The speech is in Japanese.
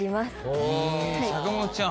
おお坂本ちゃん